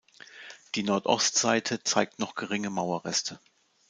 Die Nordostseite zeigt noch geringe Mauerreste.